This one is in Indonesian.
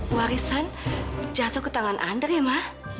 warisan jatuh ke tangan andre ma